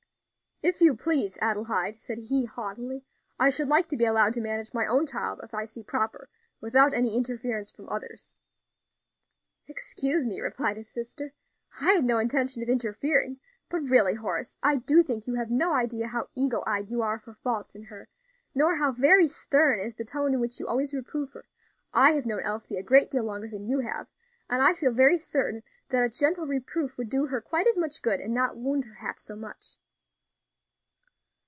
"If you please, Adelaide," said he haughtily, "I should like to be allowed to manage my own child as I see proper, without any interference from others." "Excuse me," replied his sister; "I had no intention of interfering; but really, Horace, I do think you have no idea how eagle eyed you are for faults in her, nor how very stern is the tone in which you always reprove her. I have known Elsie a great deal longer than you have, and I feel very certain that a gentle reproof would do her quite as much good, and not wound her half so much."